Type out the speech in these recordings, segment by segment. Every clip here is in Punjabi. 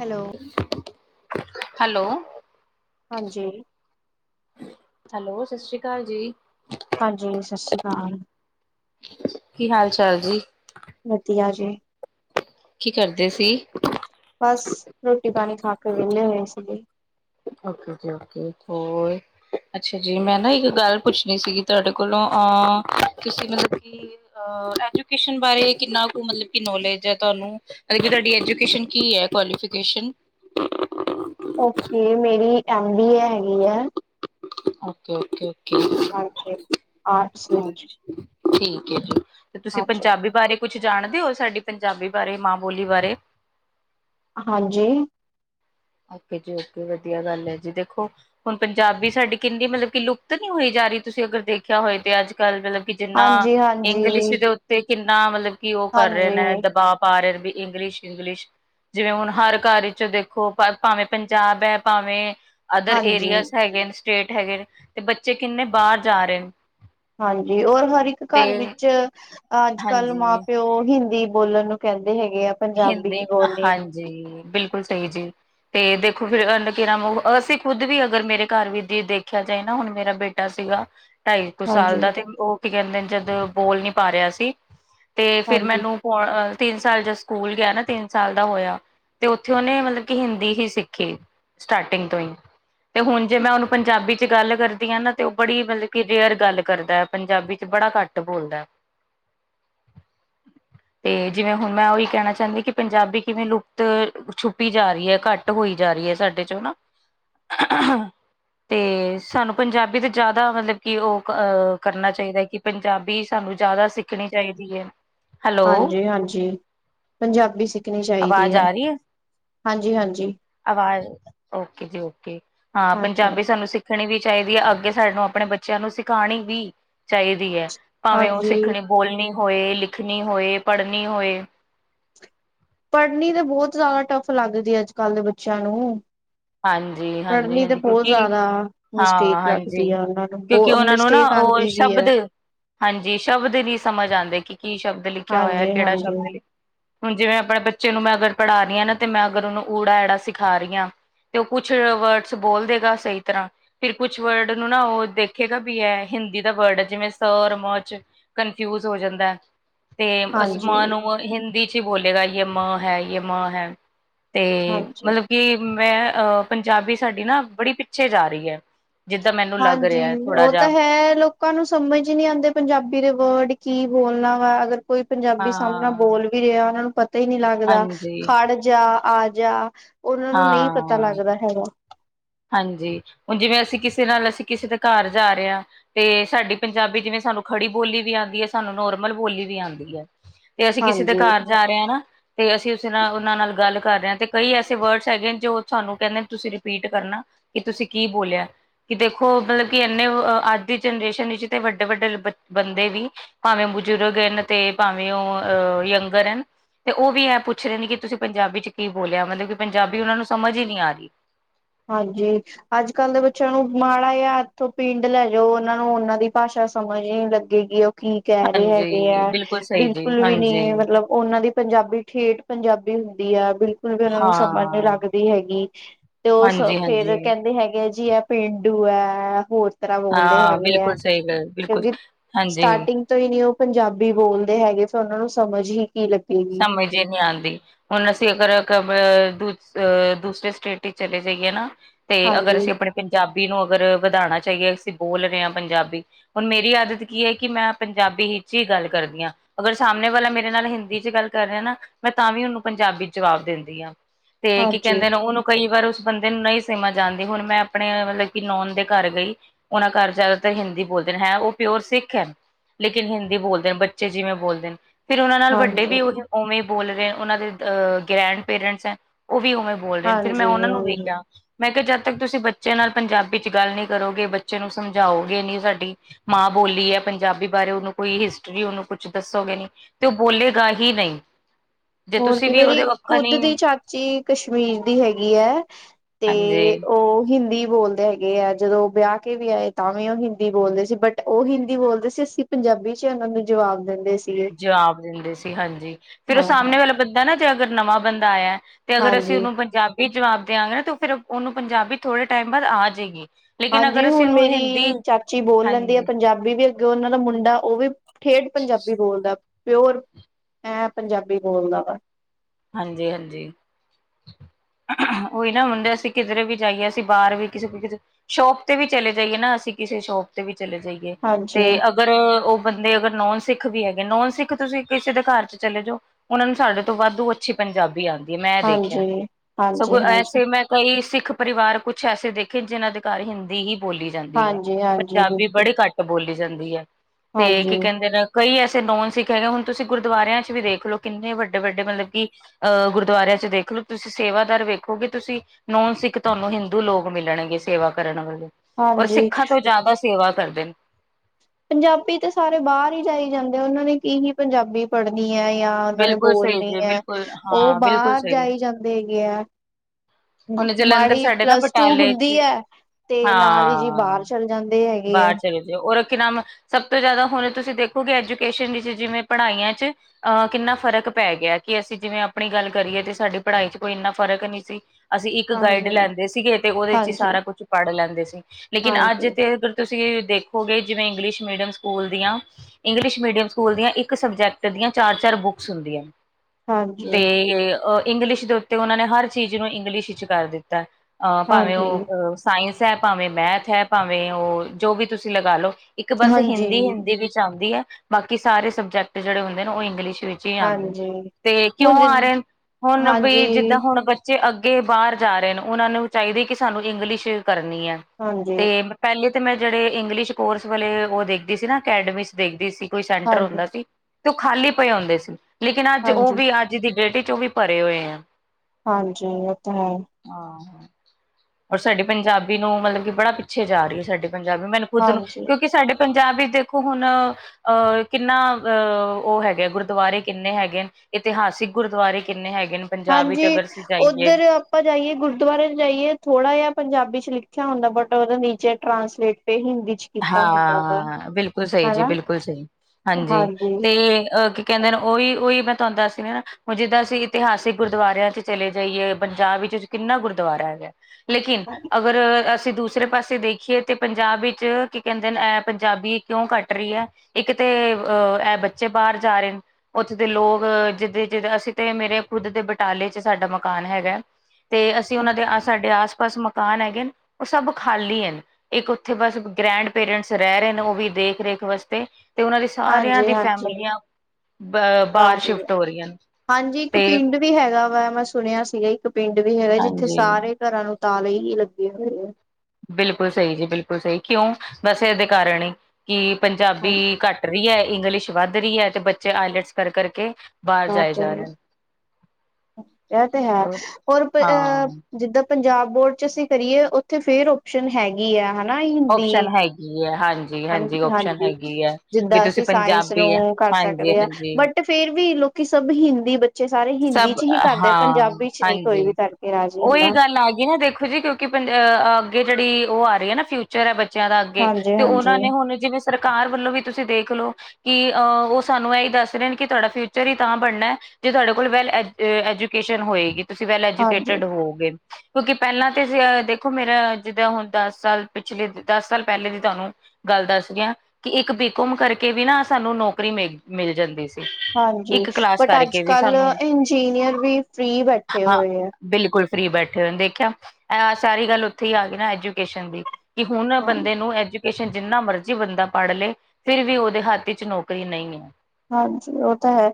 ਹੈਲੋ। ਹੈਲੋ। ਹਾਂਜੀ। ਹੈਲੋ! ਸਸ਼੍ਰੀ ਕਾਲ ਜੀ। ਹਾਂਜੀ, ਸ਼ਾਸੀ ਕਾਲ। ਕੀ ਹਾਲ -ਚਾਲ ਜੀ? ਵਧੀਆ ਜੀ। ਕੀ ਕਰਦੇ ਸੀ? ਬਸ ਰੋਟੀ, ਪਾਣੀ ਖਾ ਕੇ ਵੇਲੇ ਹੋਏ ਸੀਗੇ। ਓਕੇ ਜੀ ਓਕੇ, ਹੋਰ? ਅੱਛਾ ਜੀ, ਮੈਂ ਨਾ ਇੱਕ ਗੱਲ ਪੁੱਛਣੀ ਸੀਗੀ ਤੁਆਡੇ ਕੋਲੋਂ ਅ ਤੁਸੀਂ ਮਤਲਬ ਕਿ ਅ ਐਜੂਕੇਸ਼ਨ ਬਾਰੇ ਕਿੰਨਾ ਕੁ ਮਤਲਬ ਕੀ ਨੋਲੇਜ ਐ ਤੁਆਨੂੰ? ਅਛਾ ਤੁਆਡੀ ਐਜੂਕੇਸ਼ਨ ਕੀ ਐ, ਕੁਆਲੀਫਿਕੇਸ਼ਨ? ਓਕੇ ਮੇਰੀ ਐਮ- ਬੀ-ਏ ਹੈਗੀ ਐ। Okay- okay- okay. ਹਾਂਜੀ। ਆਰਟਸ ਵਿੱਚ ਹਾਂਜੀ ਠੀਕ ਏ ਜੀ। ਤੇ ਤੁਸੀਂ ਹਾਂਜੀ, ਪੰਜਾਬੀ ਬਾਰੇ ਕੁਛ ਜਾਣਦੇ ਓ, ਸਾਡੀ ਪੰਜਾਬੀ ਬਾਰੇ, ਮਾਂ ਬੋਲੀ ਬਾਰੇ? ਹਾਂਜੀ। ਓਕੇ ਜੀ ਓਕੇ, ਵਧੀਆ ਗੱਲ ਐ ਜੀ। ਦੇਖੋ ਹੁਨ ਪੰਜਾਬੀ ਸਾਡੀ ਕਿੰਨੀ ਮਤਲਬ ਕਿ ਲੁਪਤ ਨੀ ਹੋਈ ਜਾ ਰੀ ਤੁਸੀਂ ਅਗਰ ਦੇਖਿਆ ਹੋਏ ਤੇ ਅੱਜ ਕੱਲ੍ਹ ਮਲਬ ਕਿ ਜਿੰਨਾ ਹਾਂਜੀ, ਹਾਂਜੀ। ਇੰਗਲਿਸ਼ ਦੇ ਉੱਤੇ ਕਿੰਨਾ ਮਲਬ ਕਿ ਓ ਕਰ ਰੇ ਨੇ ਹਾਂਜੀ, ਦਬਾ ਪਾ ਰੇਨ ਵੀ ਇੰਗਲਿਸ਼- ਇੰਗਲਿਸ਼। ਜਿਵੇਂ ਹੁਨ ਹਰ ਘਰ ਚ ਦੇਖੋ ਪਰ ਭਾਵੇਂ ਪੰਜਾਬ ਐ, ਭਾਵੇਂ ਅਦਰ ਹਾਂਜੀ, ਏਰੀਆਸ ਹੈਗੇ ਨੇ ਸਟੇਟ ਹੈਗੇ ਨੇ, ਤੇ ਬੱਚੇ ਕਿੰਨੇ ਬਾਰ ਜਾ ਰੇ ਨੇ। ਹਾਂਜੀ, ਓ ਹਰ ਇੱਕ ਘਰ ਤੇ ਵਿੱਚ ਅੱਜ ਕੱਲ ਹਾਂਜੀ ਮਾਂ- ਪਿਓ ਹਿੰਦੀ ਬੋਲਨ ਨੂੰ ਕੈਂਦੇ ਹੈਗੇ ਆ ਪੰਜਾਬੀ ਨੀ ਬੋਲਨੀ। ਜੀ, ਬਿਲਕੁਲ ਸਈ ਜੀ। ਤੇ ਦੇਖੋ ਫੇਰ ਕਿ ਅਨ [unintelligible] ਅਸੀਂ ਖੁੱਦ ਵੀ ਅਗਰ ਮੇਰੇ ਘਰ ਵੀ ਦੇਖਿਆ ਜਾਏ ਨਾ ਹੁਣ ਮੇਰਾ ਬੇਟਾ ਬੇਟਾ ਸੀਗਾ ਢਾਈ ਕੁ ਸਾਲ ਹਾਂਜੀ, ਦਾ, ਤੇ ਓ ਕੀ ਕੈਂਦੇ ਨੇ ਜਦ ਬੋਲ ਨੀ ਪਾ ਰਿਆ ਸੀ, ਤੇ ਫਿਰ ਹਾਂਜੀ, ਮੈਨੂੰ ਪੁ -ਤੀਨ ਸਾਲ ਚ ਸਕੂਲ ਗਿਆ ਨਾ ਤਿੰਨ ਸਾਲ ਦਾ ਹੋਇਆ ਤੇ ਉੱਥੇ ਉਨੇ ਮਤਲਬ ਕਿ ਹਿੰਦੀ ਹੀ ਸਿੱਖੀ ਸਟਾਰਟਿੰਗ ਤੋਂ ਈ। ਤੇ ਹੁਨ ਜੇ ਮੈਂ ਉਨੂੰ ਪੰਜਾਬੀ ਚ ਗੱਲ ਕਰਦੀ ਆ ਨਾ ਤੇ ਓ ਬੜੀ ਮਤਲਬ ਕਿ ਰੇਅਰ ਗੱਲ ਕਰਦੈ। ਪੰਜਾਬੀ ਚ ਬੜਾ ਘੱਟ ਬੋਲਦੈ, ਤੇ ਜਿਵੇਂ ਹੁਨ ਮੈਂ ਓਈ ਕੈਣਾ ਚਾਨੀ ਆ ਕਿ ਪੰਜਾਬੀ ਕਿਵੇਂ ਲੁਪਤ, ਛੁਪੀ ਜਾ ਰੀ ਐ, ਘੱਟ ਹੋਈ ਜਾ ਰੀ ਐ ਸਾਡੇ ਚੋਂ ਨਾ। [unintelligible] ਤੇ ਸਾਨੂੰ ਪੰਜਾਬੀ ਤੇ ਜਾਦਾ ਮਤਲਬ ਕਿ ਓ ਅ ਕਰਨਾ ਚਾਈਦੈ ਕਿ ਪੰਜਾਬੀ ਸਾਨੂੰ ਜਾਦਾ ਸਿੱਖਣੀ ਚਾਈਦੀ ਐ। ਹਾਂਜੀ -ਹਾਂਜੀ, ਪੰਜਾਬੀ ਸਿੱਖ ਆਵਾਜ਼ ਆ ਰੀ ਐ? ਹਾਂਜੀ- ਹਾਂਜੀ। ਆਵਾਜ਼ ਓਕੇ ਜੀ ਓਕੇ ਹਾਂ ਹਾਂਜੀ, ਪੰਜਾਬੀ ਸਾਨੂੰ ਸਿੱਖ ਸਿੱਖਣੀ ਵੀ ਚਾਹੀਦੀ ਹੈ ਅੱਗੇ ਸਾਡੇ ਨੂੰ ਆਪਣੇ ਬੱਚਿਆਂ ਨੂੰ ਸਿਖਾਉਣੀ ਵੀ ਚਾਹੀਦੀ ਹੈ। ਭਾਵੇਂ ਉਹ ਹਾਂਜੀ। ਸਿੱਖਣੀ ਬੋਲਣੀ ਹੋਏ, ਲਿਖਣੀ ਹੋਏ, ਪੜ੍ਹਨੀ ਹੋਏ ਪੜ੍ਹਨੀ ਤਾਂ ਬਹੁਤ ਜ਼ਿਆਦਾ ਟਫ ਲੱਗਦੀ ਹੈ, ਅੱਜ ਕੱਲ੍ਹ ਦੇ ਬੱਚਿਆਂ ਨੂੰ। ਹਾਂਜੀ- ਹਾਂਜੀ- ਪੜ੍ਹਨੀ ਤੇ ਹਾਂਜੀ ਬਹੁਤ ਕਿਉਂਕਿ ਜ਼ਿਆਦਾ ਮਿਸਟੇਕ ਹਾਂ ਲੱਗਦੀ ਹਾਂਜੀ। ਆ ਉਹਨਾਂ ਨੂੰ ਕਿਉਂਕਿ ਬਹੁ ਉਹਨਾਂ ਨੂੰ ਨਾ ਮਿਸਟੇਕ ਉਹ ਆਉਂਦੀ ਵੀ ਸ਼ਬਦ ਹੈ ਹਾਂਜੀ ਸ਼ਬਦ ਨਹੀਂ ਸਮਝ ਆਉਂਦੇ ਕੀ ਸ਼ਬਦ ਲਿਖਿਆ ਹੋਇਆ ਹੈ, ਹਾਂਜੀ ਕਿਹੜਾ ਹਾਂਜੀ ਸ਼ਬਦ ਹੁਣ ਜਿਵੇਂ ਆਪਣੇ ਬੱਚੇ ਨੂੰ ਮੈਂ ਅਗਰ ਪੜ੍ਹਾ ਰਹੀ ਹਾਂ ਨਾ ਤੇ ਮੇ ਅਗਰ ਉਹਨੂੰ ਉ ਅ ਸਿਖਾ ਰਹੀ ਹਾਂ। ਤੇ ਉਹ ਕੁਛ ਵਰਡਸ ਬੋਲ ਦੇਗਾ ਸਹੀ ਤਰ੍ਹਾਂ। ਫਿਰ ਕੁਛ ਵਰਡ ਨੂੰ ਨਾ ਉਹ ਦੇਖੇਗਾ ਵੀ ਹੈ ਹਿੰਦੀ ਦਾ ਵਰਡ ਹੈ ਜਿਵੇਂ ਸ ਔਰ ਮ 'ਚ', ਕੰਨਫਿਊਜ ਹੋ ਜਾਂਦਾ ਹੈ। ਤੇ ਹਾਂਜੀ ਮ ਨੂੰ ਹਿੰਦੀ 'ਚ' ਹੀ ਬੋਲੇਗਾ ਇਹ ਮ ਹੈ, ਇਹ ਮ ਹੈ। ਤੇ ਹਾਂਜੀ ਮਤਲਬ ਕਿ ਮੈਂ ਅਹ ਪੰਜਾਬੀ ਸਾਡੀ ਨਾ ਬੜੀ ਪਿੱਛੇ ਜਾ ਰਹੀ ਹੈ। ਜਿੱਦਾਂ ਮੈਨੂੰ ਲੱਗ ਹਾਂਜੀ ਰਿਹਾ ਥੋੜਾ ਉਹ ਤਾਂ ਜਿਹਾ ਹੈ ਲੋਕ ਲੋਕਾ ਨੂੰ ਸਮਝ ਹੀ ਨਹੀਂ ਆਉਂਦੇ ਪੰਜਾਬੀ ਦੇ ਵਰਡ ਕੀ ਬੋਲਣਾ ਵਾ ਅਗਰ ਕੋਈ ਪੰਜਾਬੀ ਸਾਮਨੇ ਹਾਂ, ਬੋਲ ਵੀ ਰਿਹਾ ਨਾ ਪਤਾ ਹੀ ਨਹੀਂ ਲੱਗਦਾ ਹਾਂਜੀ, ਖੜ ਜਾ ਆਜਾ, ਉਹਨਾਂ ਨੂੰ ਨਹੀਂ ਪਤਾ ਹਾਂ। ਲੱਗਦਾ ਹੈਗਾ। ਹਾਂਜੀ, ਹੁਣ ਜਿਵੇਂ ਅਸੀਂ ਕਿਸੇ ਨਾਲ ਅਸੀਂ ਕਿਸੇ ਦੇ ਘਰ ਜਾ ਰਹੇ ਹਾਂ ਤੇ ਸਾਡੀ ਪੰਜਾਬੀ ਜਿਵੇਂ ਸਾਨੂੰ ਖੜੀ ਬੋਲੀ ਵੀ ਆਉਂਦੀ ਹੈ, ਸਾਨੂੰ ਨੋਰਮਲ ਬੋਲੀ ਵੀ ਆਉਂਦੀ ਹੈ। ਤੇ ਅਸੀਂ ਕਿਸੇ ਦੇ ਹਾਂਜੀ ਘਰ ਜਾ ਰਹੇ ਹੈ ਨਾ। ਤੇ ਅਸੀਂ ਉਸੇ ਨਾਲ ਉਹਨਾਂ ਨਾਲ ਗੱਲ ਕਰ ਰਹੇ ਹਾਂ ਤੇ ਕਈ ਐਸੇ ਵਰਡਸ ਹੈਗੇ ਜੋ ਤੁਹਾਨੂੰ ਕਹਿੰਦੇ ਤੁਸੀਂ ਰਿਪੀਟ ਕਰਨਾ ਕਿ ਤੁਸੀਂ ਕੀ ਬੋਲਿਆ। ਕਿ ਦੇਖੋ ਮਤਲਬ ਕਿ ਇੰਨੇ ਅੱਜ ਦੀ ਜਨਰੇਸ਼ਨ ਵਿੱਚ ਤੇ ਵੱਡੇ ਵੱਡੇ ਬ ਬੰਦੇ ਵੀ ਭਾਵੇਂ ਉਹ ਬਜ਼ੁਰਗ ਹਨ ਤੇ ਭਾਵੇਂ ਉਹਹ ਯੰਗਰ ਹਨ। ਤੇ ਉਹ ਵੀ ਐ ਪੁੱਛ ਰਹੇ ਨੇ ਕਿ ਤੁਸੀਂ ਪੰਜਾਬੀ ਚ ਕੀ ਬੋਲਿਆ ਮਤਲਬ ਕਿ ਪੰਜਾਬੀ ਉਹਨਾਂ ਨੂੰ ਸਮਝ ਹੀ ਨਹੀਂ ਆ ਰਹੀ। ਹਾਂਜੀ। ਅੱਜ ਕੱਲ ਦੇ ਬੱਚਿਆਂ ਨੂੰ ਮਾੜਾ ਜਿਹਾ ਇੱਥੋਂ, ਪਿੰਡ ਲੈਜਓ ਉਹਨਾਂ ਨੂੰ ਉਹਨਾਂ ਦੀ ਭਾਸ਼ਾ ਸਮਝ ਨੀ ਲੱਗੇਗੀ ਉਹ ਕੀ ਕਹਿ ਰਹੇ ਹੈਗੇ ਹਾਂਜੀ, ਆ ਬਿਲਕੁਲ ਸਹੀ ਜੀ, ਬਿਲਕੁਲ ਵੀ ਨਹੀਂ ਹਾਂਜੀ, ਮਤਲਬ ਉਹਨਾਂ ਦੀ ਪੰਜਾਬੀ ਠੇਠ ਪੰਜਾਬੀ ਹੁੰਦੀ ਹੈ, ਬਿਲਕੁਲ ਵੀ ਉਹਨਾਂ ਨੂੰ ਸਮਝ ਨਹੀਂ ਹਾਂ। ਲੱਗਦੀ ਹੈਗੀ ਤੇ ਉਹ ਸਭ ਫੇਰ ਹਾਂਜੀ-ਹਾਂਜੀ, ਕਹਿੰਦੇ ਹੈਗੇ ਆ ਜੀ ਇਹ ਪੇਂਡੂ ਹੈ ਹੋਰ ਤਰ੍ਹਾਂ ਬੋਲਦੇ ਹਾਂ ਹੈਗੇ ਹੈ ਬਿਲਕੁਲ ਸਹੀ ਗੱਲ, ਬਿਲਕੁਲ, ਕਿਉਂਕਿ ਹਾਂਜੀ। ਸਟਾਰਟਿੰਗ ਤੋ ਹੀ ਨਹੀਂ ਉਹ ਪੰਜਾਬੀ ਬੋਲਦੇ ਹੈਗੇ ਫਿਰ ਉਹਨਾਂ ਨੂੰ ਸਮਝ ਹੀ ਕੀ ਲੱਗੀ ਸਮਝ ਹੀ ਨਹੀਂ ਆਉਂਦੀ। ਹੁਣ ਅਸੀਂ ਅਗਰ ਦ ਅ ਦੂਸਰੇ ਸਟੇਟ ਚ ਚਲੇ ਜਾਈਏ ਨਾ ਤੇ ਅਗਰ ਹਾਂਜੀ ਅਸੀਂ ਆਪਣੇ ਪੰਜਾਬੀ ਨੂੰ, ਅਗਰ ਵਧਾਉਣਾ ਚਾਹੀਏ ਅਸੀਂ ਬੋਲ ਰਹੇ ਹਾਂ ਪੰਜਾਬੀ। ਹੁਣ ਮੇਰੀ ਆਦਤ ਕੀ ਹੈ ਕਿ ਮੈਂ ਪੰਜਾਬੀ ਵਿੱਚ ਹੀ ਗੱਲ ਕਰਦੀ ਹਾਂ ਅਗਰ ਸਾਹਮਣੇ ਵਾਲਾ ਮੇਰੇ ਨਾਲ ਹਿੰਦੀ ਗੱਲ ਕਰ ਰਿਹਾ ਨਾ ਮੈਂ ਤਾਂ ਵੀ ਉਹਨੂੰ ਪੰਜਾਬੀ ਜਵਾਬ ਦਿੰਦੀ ਹਾਂ ਤੇ ਕੀ ਹਾਂਜੀ ਕਹਿੰਦੇ ਨਾ ਉਹਨੂੰ ਕਈ ਵਾਰ ਉਸ ਬੰਦੇ ਨੂੰ ਨਹੀਂ ਸਮਜ ਜਾਂਦੀ ਹੁਣ ਮੈਂ ਆਪਣੇ ਮਤਲਬ ਕਿ ਨੌਨ ਦੇ ਘਰ ਗਈ ਉਹਨਾਂ ਘਰ ਜ਼ਿਆਦਾਤਰ ਹਿੰਦੀ ਬੋਲਦੇ ਨੇ ਹੈ ਉਹ ਪਿਓਰ ਸਿੱਖ ਹੈ, ਲੇਕਿਨ ਹਿੰਦੀ ਬੋਲਦੇ ਨੇ ਬੱਚੇ ਜਿਵੇਂ ਬੋਲਦੇ ਨੇ ਫਿਰ ਉਹਨਾਂ ਨਾਲ ਵੱਡੇ, ਹਾਂਜੀ ਵੀ ਉਹੀ ਉਵੇਂ ਬੋਲ ਰਹੇ ਉਹਨਾਂ ਦੇ ਅ ਗ੍ਰੈਂਡ ਪੇਰੈਂਟਸ ਹੈ ਉਹ ਵੀ ਉਵੇਂ, ਬੋਲਦੇ ਨੇ ਫਿਰ ਮੈਂ ਹਾਂਜੀ ਉਹਨਾਂ ਨੂੰ ਹਾਂਜੀ ਵੇਖਿਆ, ਮੈਂ ਕਿਹਾ ਜਦ ਤੱਕ ਤੁਸੀਂ ਬੱਚੇ ਨਾਲ ਪੰਜਾਬੀ ਚ ਗੱਲ ਨਹੀਂ ਕਰੋਗੇ ਬੱਚੇ ਨੂੰ ਸਮਝਾਓਗੇ ਨਹੀਂ ਸਾਡੀ, ਮਾਂ ਬੋਲੀ ਹੈ ਪੰਜਾਬੀ ਬਾਰੇ ਉਹਨੂੰ ਕੋਈ ਹਿਸਟਰੀ ਉਹਨੂੰ ਕੁਛ ਦੱਸੋਗੇ ਨੀ ਤੇ ਉਹ ਬੋਲੇ, ਗਾ ਹੀ ਨਹੀਂ, ਹੋਰ ਕੀ, ਵੀ ਮੇਰੀ ਉਹਦੇ ਵੱਕਰ ਖੁਦ ਨੀ ਦੀ ਚਾਚੀ ਕਸ਼ਮੀਰ ਦੀ ਹੈਗੀ ਐ। ਤੇ ਹਾਂਜੀ ਉਹ ਹਿੰਦੀ ਬੋਲਦੇ ਹੈਗੇ। ਏਆ ਜਦੋਂ ਉਹ ਵਿਆਹ ਕੇ ਵੀ ਆਏ ਤਾਂ ਵੀ ਉਹ ਹਿੰਦੀ ਬੋਲਦੇ ਸੀ, ਬਟ ਉਹ ਹਿੰਦੀ ਬੋਲਦੇ ਸੀ ਅਸੀਂ ਪੰਜਾਬੀ ਚ ਉਹਨਾਂ ਨੂੰ ਜਵਾਬ ਦਿੰਦੇ ਸੀ। ਜਵਾਬ ਦਿੰਦੇ ਸੀ, ਹਾਂਜੀ, ਫਿਰ ਉਹ ਹਾਂ। ਸਾਹਮਣੇ ਵਾਲਾ ਬੰਦਾ ਨਾ ਜੇ ਅਗਰ ਨਵਾਂ ਬੰਦਾ ਆਇਆ, ਤੇ ਅਗਰ ਅਸੀਂ ਹਾਂਜੀ। ਉਹਨੂੰ ਪੰਜਾਬੀ ਜਵਾਬ ਦਿਆਂਗੇ ਨਾ ਤਾਂ ਫਿਰ ਉਹਨੂੰ ਪੰਜਾਬੀ ਥੋੜੇ ਟਾਈਮ ਬਾਅਦ ਆ ਜਾਏਗੀ। ਲੇਕਿਨ ਹਾਂਜੀ, ਅਗਰ ਅਸੀਂ ਹੁਣ ਉਹਨੂੰ ਹਿੰਦੀ ਮੇਰੀ ਚਾਚੀ ਬੋਲ ਲੈਂਦੀ ਆ ਹਾਂਜੀ ਪੰਜਾਬੀ ਵੀ ਅੱਗੇ ਉਹਨਾਂ ਦਾ ਮੁੰਡਾ ਉਹ ਵੀ ਠੇਠ ਪੰਜਾਬੀ ਬੋਲਦਾ, ਪਿਓਰ ਐ ਪੰਜਾਬੀ ਬੋਲਦਾ ਵਾ। ਹਾਂਜੀ, ਹਾਂਜੀ ਉਹੀ ਨਾ ਹੁੰਦੇ ਅਸੀਂ ਕਿਧਰੇ ਵੀ ਜਾਈਏ, ਅਸੀਂ ਬਾਹਰ ਵੀ ਕਿਸੇ ਸ਼ੋਪ ਤੇ ਵੀ ਚਲੇ ਜਾਈਏ ਨਾ ਅਸੀਂ ਕਿਸੇ ਸ਼ੋਪ ਤੇ ਵੀ ਚਲੇ ਜਾਈਏ ਤੇ ਹਾਂਜੀ। ਅਗਰ ਉਹ ਬੰਦੇ ਅਗਰ ਨੋਨ ਸਿੱਖ ਵੀ ਹੈਗੇ, ਨੋਨ ਸਿੱਖ ਤੁਸੀਂ ਕਿਸੇ ਦੇ ਘਰ ਚ ਚਲੇ ਜਾਓ। ਉਹਨਾਂ ਨੂੰ ਸਾਡੇ ਤੋਂ ਵਾਧੂ ਅੱਛੀ ਪੰਜਾਬੀ ਆਂਦੀ ਐ, ਮੈਂ ਦੇਖਿਆ ਹਾਂਜੀ, ਹਾਂਜੀ, ਸਗੋਂ ਹਾਂਜੀ, ਐਸੇ ਮੈਂ ਕਈ ਸਿੱਖ ਪਰਿਵਾਰ ਕੁਛ ਐਸੇ ਦੇਖੇ ਜਿਨਾਂ ਦੇ ਘਰ ਹਿੰਦੀ ਹੀ ਬੋਲੀ ਜਾਂਦੀ ਐ, ਹਾਂਜੀ, ਹਾਂਜੀ ਪੰਜਾਬੀ ਬਿਲਕੁਲ ਬੜੀ ਘੱਟ ਬੋਲੀ ਜਾਂਦੀ ਐ ਤੇ ਹਾਂਜੀ, ਕੀ ਕਹਿੰਦੇ ਨਾ ਕਈ ਐਸੇ ਨੋਨ ਸਿੱਖ ਹੈਗੇ, ਹੁਣ ਤੁਸੀਂ ਗੁਰਦੁਰਿਆਂ ਚ ਵੀ ਦੇਖ ਲਓ, ਕਿੰਨੇ ਵੱਡੇ- ਵੱਡੇ ਮਤਲਬ ਕਿ ਅ ਗੁਰਦੁਆਰਿਆਂ ਚ ਦੇਖਲੋ ਤੁਸੀਂ ਸੇਵਾਦਾਰ ਵੇਖੋਗੇ ਤੁਸੀਂ ਨੋਨ ਸਿੱਖ ਤੁਹਾਨੂੰ ਹਿੰਦੂ ਲੋਕ ਮਿਲਣਗੇ ਸੇਵਾ ਕਰਨ ਵਾਲੇ। ਔਰ ਹਾਂਜੀ। ਸਿੱਖਾਂ ਤੋਂ ਜ਼ਿਆਦਾ ਸੇਵਾ ਕਰਦੇ ਨੇ। ਪੰਜਾਬੀ ਤੇ ਸਾਰੇ ਬਾਹਰ ਈ ਜਾਈ ਜਾਂਦੇ, ਉਹਨਾਂ ਨੇ ਕੀ ਹੀ ਪੰਜਾਬੀ ਪੜ੍ਹਨੀ ਐ ਜਾਂ ਉਹਨਾਂ ਨੇ ਬਿਲਕੁਲ ਸਹੀ ਬੋਲਣੀ ਜੀ ਐ, ਬਿਲਕੁਲ ਉਹ ਹਾਂ ਬਿਲਕੁਲ ਬਾਹਰ ਸਹੀ। ਜਾਈ ਜਾਂਦੇ ਹੈਗੇ ਐ। ਹੁਣ ਜਲੰਧਰ ਮਾੜੀ ਸਾਡੇ ਨਾ ਪਲੱਸ- ਟੂ ਬਟਾਲੇ ਹੁੰਦੀ ਚ ਐ ਤੇ ਨਾਲ ਈ ਜੀ ਹਾਂ ਬਾਹਰ ਚੱਲ ਬਾਹਰ ਚਲੇ ਹੋਰ ਕਿ ਨਾਮ, ਸਭ ਤੋਂ ਜ਼ਿਆਦਾ ਹੁਣ ਤੁਸੀਂ ਦੇਖੋਗੇ, ਐਜੂਕੇਸ਼ਨ ਵਿੱਚ ਜਿਵੇਂ ਪੜ੍ਹਾਈਆਂ ਚ ਆ ਕਿੰਨਾ ਫ਼ਰਕ ਪੈ ਗਿਆ ਕਿ ਅਸੀਂ ਜਿਵੇਂ ਆਪਣੀ ਗੱਲ ਕਰੀਏ ਤੇ ਸਾਡੀ ਪੜ੍ਹਾਈ ਚ ਕੋਈ ਇੰਨਾ ਫ਼ਰਕ ਨਹੀਂ ਸੀ। ਅਸੀਂ ਇੱਕ ਗਾਈਡ ਹਾਂਜੀ ਲੈਂਦੇ ਸੀਗੇ ਤੇ ਉਹਦੇ ਚ ਹਾਂਜੀ ਸਾਰਾ ਕੁਛ ਪੜ੍ਹ ਲੈਂਦੇ ਸੀ, ਲੇਕਿਨ ਅੱਜ ਹਾਂਜੀ ਤੇ ਅਗਰ ਤੁਸੀਂ ਇਹ ਦੇਖੋਗੇ ਜਿਵੇਂ ਇੰਗਲਿਸ਼ ਮੀਡੀਅਮ ਸਕੂਲ ਦੀਆਂ ਇੰਗਲਿਸ਼ ਮੀਡੀਅਮ ਸਕੂਲ ਦੀਆਂ ਇੱਕ ਸਬਜੈਕਟ ਦੀਆਂ ਚਾਰ - ਚਾਰ ਬੁੱਕਸ ਹੁੰਦੀਆਂ। ਤੇ ਹਾਂਜੀ ਇੰਗਲਿਸ਼ ਦੇ ਉੱਤੇ ਉਹਨਾਂ ਨੇ ਹਰ ਚੀਜ਼ ਨੂੰ ਇੰਗਲਿਸ਼ ਵਿੱਚ ਕਰ ਦਿੱਤਾ। ਅਹ ਭਾਵੇਂ ਹਾਂਜੀ ਉਹ ਸਾਇੰਸ ਐ, ਭਾਵੇਂ ਮੈਥ ਐ, ਭਾਵੇਂ ਉਹ ਜੋ ਵੀ ਤੁਸੀਂ ਲਗਾ ਲਓ। ਇੱਕ ਬਸ ਹਿੰਦੀ - ਹਾਂਜੀ ਹਿੰਦੀ ਵਿੱਚ ਆਂਦੀ ਐ, ਬਾਕੀ ਸਾਰੇ ਸਬਜੈਕਟ ਜਿਹੜੇ ਹੁੰਦੇ ਨੇ ਉਹ ਇੰਗਲਿਸ਼ ਵਿੱਚ ਆਂਦੇ, ਹਾਂਜੀ ਤੇ ਕਿਉਂ ਹੁਣ ਜ ਆ ਰਹੇ ਨੇ ਹੁਣ ਹਾਂਜੀ ਬਈ ਜਿੱਦਾਂ ਹੁਣ ਬੇ ਜ ਅੱਗੇ ਬਾਹਰ ਜਾ ਰਹੇ ਨੇ, ਉਹਨਾਂ ਨੂੰ ਚਾਹੀਦੇ ਕਿ ਸਾਨੂੰ ਇੰਗਲਿਸ਼ ਕਰਨੀ ਐ। ਹਾਂਜੀ ਤੇ ਪਹਿਲੇ ਤੇ ਮੈਂ ਜਿਹੜੇ ਇੰਗਲਿਸ਼ ਕੋਰਸ ਵਾਲੇ ਉਹ ਦੇਖਦੀ ਸੀ ਨਾ ਅਕੈਡਮੀਸ ਦੇਖਦੀ ਸੀ। ਕੋਈ ਸੈਂਟਰ ਹਾਂਜੀ ਹੁੰਦਾ ਸੀ ਤੇ ਉਹ ਖਾਲੀ ਪਏ ਹੁੰਦੇ ਸੀ। ਲੇਕਿਨ ਅੱਜ ਉਹ ਹਾਂਜੀ ਵੀ ਅੱਜ ਜੀਦੀ ਗੇਟੀ ਚੋ ਵੀ ਭਰੇ ਹੋਏ ਆ। ਹਾਂਜੀ, ਇਹ ਤਾਂ ਹੈ। ਹਾਂ। ਔਰ ਸਾਡੇ ਪੰਜਾਬੀ ਨੂੰ ਮਤਲਬ ਕਿ ਬੜਾ ਪਿੱਛੇ ਜਾ ਰਹੀ ਐ ਸਾਡੇ ਪੰਜਾਬੀ, ਮੈਨੂੰ ਖੁਦ ਨੂੰ ਹਾਂਜੀ ਕਿਉਂਕਿ ਸਾਡੇ ਪੰਜਾਬੀ ਦੇਖੋ ਹੁਣ ਆ ਕਿੰਨਾ ਅਹ ਉਹ ਹੈਗਾ, ਗੁਰਦੁਆਰੇ ਕਿੰਨੇ ਹੈਗੇ। ਇਤਿਹਾਸਿਕ ਗੁਰਦੁਆਰੇ ਕਿੰਨੇ ਹੈਗੇ ਨੇ। ਪੰਜਾਬ ਹਾਂਜੀ, ਵਿੱਚ ਅਗਰ ਅਸੀਂ ਜਾਈਏ ਓਦਰ ਅਪਾਂ ਜਾਈਏ, ਗੁਰਦੁਆਰੇ ਚ ਜਾਈਏ, ਥੋੜਾ ਜਾ ਪੰਜਾਬੀ ਚ ਲਿਖੇਆ ਹੁੰਦਾ, ਬਟ ਓਦਾ ਨੀਚੇ ਟਰਾਂਸਲੇਟ ਤੇ ਹਿੰਦੀ ਚ ਕੀਤਾ ਹੁੰਦਾ ਵਾ ਹਾਂ, ਬਿਲਕੁਲ ਸਈ ਜੀ, ਹਨਾ ਬਿਲਕੁਲ ਸਈ ਹਾਂਜੀ, ਤੇ ਅ ਕੈਂਦੇ ਨੇ ਓਈ-ਓਈ, ਮੈਂ ਤੂਆਨ ਦਾੱਸ ਰੀ ਆ ਹੁਨ ਜਿੱਦਾਂ ਅਸੀ ਇਤਿਹਾਸਿਕ ਗੁਰਦਆਰੇਆਂ ਚ ਚਲੇ ਜਾਈਏ, ਪੰਜਾਬ ਵਿੱਚ ਕਿੰਨਾ ਗੁਰਦੁਆਰਾ ਹੈਗੈ ਲੇਕਿਨ ਅਗਰ ਅਸੀ ਦੂਸਰੇ ਪਾਸੇ ਦੇਖੀਏ ਤੇ ਪੰਜਾਬ ਇਚ ਕੀ ਕੈਂਦੇ ਨੇ, ਐ ਪੰਜਾਬੀ ਕਿਉਂ ਘੱਟ ਰੀ ਐ, ਇੱਕ ਤੇ ਅ ਐ ਬੱਚੇ ਬਾਰ ਜਾ ਰੇਨ। ਓਥੇ ਦੇ ਲੋਗ ਜਿੱਦੇ-ਜਿਦ ਅਸੀ ਤੇ ਮੇਰੇ ਖੁਦ ਦੇ ਬਟਾਲੇ ਚ ਸਾਡਾ ਮਕਾਨ ਹੈਗੈ। ਤੇ ਅਸੀ ਓਨਾਂ ਦੇ, ਸਾਡੇ ਆਸ-ਪਾਸ ਮਕਾਨ ਹੈਗੇਨ ਓ ਸਬ ਖਾਲੀ ਹੈਨ, ਇੱਕ ਉਥੇ ਬਾੱਸ ਗ੍ਰੈਂਡ ਪੇਰੈਂਟਸ ਰੈ ਰੇ ਨੇ, ਓ ਵੀ ਦੇਖ-ਰੇਖ ਵਾਸਤੇ, ਤੇ ਓਨਾਂ ਦੀ ਸਾਰੇਆਂ ਹਾਂਜੀ ਦੀ ਹਾਂਜੀ ਫੈਮਲੀਆਂ ਬ ਬ੍ਹਾਰ ਬਾਹਰ ਹੀ ਆ ਸ਼ਿਫਟ ਹੋ ਰੀਆਨ, ਹਾਂਜੀ ਇੱਕ ਤੇ ਪਿੰਡ ਵੀ ਹੈਗਾ ਵਾ, ਮੈਂ ਸੁਣੇਆ ਸੀਗਾ, ਇੱਕ ਪਿੰਡ ਵੀ ਹੈਗਾ ਜਿੱਥੇ ਹਾਂਜੀ ਸਾਰੇ ਘਰਾਂ ਨੂੰ ਤਾਲੇ ਹੀ ਲੱਗੇ ਹੋਏ ਐ। ਬਿਲਕੁਲ ਸਈ ਜੀ, ਬਿਲਕੁਲ ਸਈ, ਕਿਉਂ ਬਾੱਸ ਐਦੇ ਕਾਰਣ ਈ। ਕਿ ਹਾਂ ਪੰਜਾਬੀ ਘੱਟ ਰੀ ਐ, ਇੰਗਲਿਸ਼ ਵੱਧ ਰੀ ਐ, ਤੇ ਬੱਚੇ ਆਈਲੈਟਸ ਕਰ ਕਰਕੇ ਬ੍ਹਾਰ ਜਾਈ ਜਾ ਰੇਨ। ਐ ਤੇ ਹੈ, ਹੋਰ ਪ ਅ ਹਾਂ ਜਿੱਦਾਂ ਪੰਜਾਬ ਬੋਰਡ ਚ ਅਸੀ ਕਰੀਏ, ਓਥੇ ਫੇਰ ਓ ਪਸ਼ਨ ਹੈਗੀ ਆ, ਹਨਾ ਹਿੰਦੀ ਓਪਸ਼ਨ ਹੈਗੀ ਹੈ ਹਾਂਜੀ ਹਾਂ, ਓਪਸ਼ਨ ਹਾਂਜੀ। ਹੈਗੀ ਹੈ ਵੀ ਜਿੱਦਾਂ ਤੁਸੀਂ ਅਸੀ ਸਾਇੰਸ ਪੰਜਾਬੀ ਹੈ ਨੂੰ ਕਰ ਹਾਂਜੀ ਸਕਦੇ ਆਂ ਹਾਂਜੀ ਬਟ ਫੇਰ ਵੀ ਲੋਕੀ ਸਬ ਹਿੰਦੀ, ਬੱਚੇ ਸਾਰੇ ਹਿੰਦੀ ਸਭ ਚ ਹੀ ਕਰਦੇ ਹਾਂ, ਪੰਜਾਬੀ ਚ ਨਹੀਂ ਕੋਈ ਵੀ ਹਾਂਜੀ ਕਰਕੇ ਰਾਜੀ ਓਈ ਹੁੰਦਾ ਗੱਲ ਲ ਆਗੀ ਨਾ, ਦੇਖੋ ਜੀ ਕਿਉਂਕਿ ਪੰਜ ਅ ਅੱਗੇ ਜੇੜੀ ਓ ਆਰੀ ਐ ਨਾ ਫਿਊ ਚਰ ਹੈ ਬੱਚੇਆਂ ਦਾ ਅੱਗੇ ਹਾਂਜੀ ਤੇ ਹਾਂਜੀ ਓਨਾਂ ਨੇ ਹੁਨ, ਜਿਵੇਂ ਸਰਕਾਰ ਵੱਲੋਂ ਵੀ ਤੁਸੀਂ ਦੇਖ ਲੋ ਕਿ ਅ ਓ ਸਾਨੂੰ ਏਈ ਦੱਸ ਰੇਨ ਕਿ ਤੁਆਡਾ ਫਿਊਚਰ ਹੀ ਤਾਂ ਬਣਨਾ, ਜੇ ਤੁਆਡੇ ਕੋਲ ਕੋਈ ਵੈਲ ਐਜ ਐਜੂਕੇਸ਼ਨ ਹੋਏਗੀ ਤੁਸੀ ਵੈਲ ਹਾਂਜੀ ਐਜੂਕੇਟਿਡ ਹੋਓਗੇ। ਕਿਉਂਕਿ ਪ੍ਹੈਲਾਂ ਤੇ, ਦੇਖੋ ਮੇਰਾ ਜਿੱਦਾਂ ਹੁਨ ਦਾੱਸ ਸਾਲ ਪਿਛਲੇ, ਦਾੱਸ ਸਾਲ ਪ੍ਹੈਲੇ ਦੀ ਤੁਆਨੂੰ ਗੱਲ ਦੱਸ ਰੀਆਂ, ਕਿ ਇੱਕ ਬੀਕੋਮ ਕਰਕੇ ਵੀ ਨਾ ਸਾਨੂੰ ਨੌਕਰੀ ਮਿਲ, ਮਿਲ ਜਾਂਦੀ ਸੀ। ਹਾਂਜੀ, ਇੱਕ ਕਲਾਸ ਬਟ ਕਰਕੇ ਵੀ ਅੱਜ-ਕੱਲ ਸਾਨੂੰ ਇੰਜੀਨੀਅਰ ਵੀ ਫ੍ਰੀ ਬੈਠੇ ਹਾਂ ਹੋਏ ਹੈ। ਬਿਲਕੁਲ ਫ੍ਰੀ ਬੈਠੇ ਹੋਏਨ ਦੇਖੇਆ, ਐ ਸਾਰੀ ਗਲ ਉਥੇ ਈ ਆ ਗਈ ਨਾ ਐਜੂਕੇਸ਼ਨ ਦੀ। ਕਿ ਹੁਨ ਹਾਂ ਬੰਦੇ ਨੂੰ ਐਜ ਕੈਸ਼ਨ, ਜਿੰਨਾ ਮਰਜੀ ਬੰਦਾ ਪੜ ਲੇ, ਫੇਰ ਵੀ ਓਦੇ ਹਥ ਇਚ ਨੌਕਰੀ ਨਹੀਂ ਐ। ਹਾਂਜੀ, ਓ ਤਾਂ ਹੈ।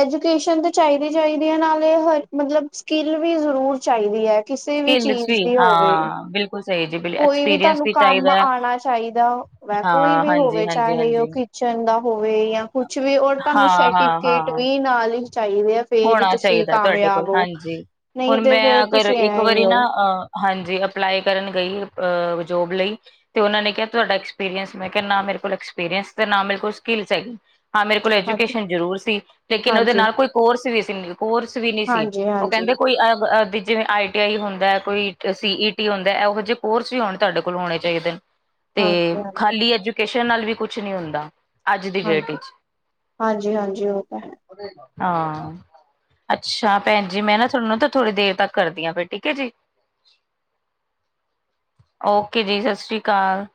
ਐਜੂਕੇਸ਼ਨ ਤੇ ਚਾਈਦੀ-ਚਾਹੀਦੀ ਐ, ਨਾਲੇ ਹਰ ਮਤਲਬ ਸਕਿੱਲ ਵੀ ਜਰੂਰ ਚਾਈਦੀ ਐ। ਕਿਸੇ ਵੀ ਸਕਿੱਲਸ ਚੀਜ ਦੀ ਹੋਵੇ। ਹਾਂ ਬਿਲਕੁਲ ਸਹੀ ਜੀ ਬਿਲ ਕੋਈ ਵੀ ਐਕਸਪੀਰੀਅੰਸ ਤੂਆਨੂੰ ਕੰਮ ਚਾਹੀਦਾ ਹੈ ਆਣਾ ਚਾਈਦੈ ਹੁੰਦੈ, ਕੋਈ ਹਾਂ ਵੀ ਹਾਂਜੀ ਹੋਵੇ ਹਾਂਜੀ ਚਾਹੇ ਓ ਹਾਂਜੀ ਕਿ ਚੰਗਾ ਹੋਵੇ ਯਾ ਕੁੱਛ ਵੀ ਔਰ ਤੁਆਨੂੰ ਹਾਂ ਹਾਂ ਸਰਟੀਫਿਕੇਟ ਹਾਂ ਵੀ ਨਾਲ ਈ ਚਾਈਦੇ ਐ। ਹੋਣਾ ਚਾਈਦੈ ਤੁਆਡੇ ਕੋਲ, ਹਾਂਜੀ ਨਹੀਂ ਹੁਨ ਤੇ ਮੈਂ ਫੇਰ ਅਗਰ ਤੁਸੀਂ ਇੱਕ ਐ ਹੀ ਵਾਰੀ ਹੋ ਨਾ ਅ ਹਾਂਜੀ, ਅਪਲਾਈ ਕਰਨ ਗਈ ਅ ਜੋਬ ਲਈ ਤੇ ਓਨਾਂ ਨੇ ਕੇਆ ਤੁਆਡਾ ਐਕਸਪੀਰੀਅੰਸ, ਮੈਂ ਕੇਆ ਨਾ ਮੇਰੇ ਕੋਲ ਐਕਸਪੀਰੀਅੰਸ, ਤੇ ਨਾ ਮੇਰੇ ਕੋਲ ਸਕਿਲਸ ਹੈਗੀ ਹਾਂ ਮੇਰੇ ਕੋਲ ਹਾਂਜੀ ਐਜੂਕੇਸ਼ਨ ਜਰੂਰ ਸੀ ਲੇਕਿਨ ਓਦੇ ਹਾਂਜੀ ਨਾਲ ਕੋਈ ਕੋਰਸ ਵੀ ਸੀ ਨੀ ਕੋਰਸ ਵੀ ਨੀ ਸੀ, ਹਾਂਜੀ ਓ ਹਾਂਜੀ ਕੈਂਦੇ ਕੋਈ ਅ ਬ ਅ ਜਿਵੇਂ ਆਈ ਟਿ ਆਈ ਹੁੰਦੈ, ਕੋਈ ਸੀ ਈ ਟੀ ਹੁੰਦੈ, ਐਹੋ ਜੇ ਕੋਰਸ ਵੀ ਹੁਨ ਤੁਆਡੇ ਕੋਲ ਹੋਣੇ ਚਾਈਦੇ ਨ। ਤੇ ਹਾਂਜੀ ਖਾਲੀ ਐਜੂਕੇਸ਼ਨ ਨਾਲ ਵੀ ਕੁੱਛ ਨੀ ਹੁੰਦਾ। ਅਜ ਦੀ ਡੇਟ ਹਾਂਜੀ ਇਚ, ਹਾਂਜੀ ਹਾਂਜੀ ਉਹ ਤਾਂ ਹੈ ਹਾਂ। ਅੱਛਾ ਭੈਨ ਜੀ, ਮੈਂ ਨਾ ਤੁਆਨੂੰ ਨਾ ਤਾਂ ਥੋੜੀ ਦੇਰ ਤਕ ਕਰਦੀ ਆਂ ਫਿਰ ਠੀਕ ਐ ਜੀ। ਓਕੇ ਜੀ, ਸਸ਼੍ਰੀ ਕਾਲ।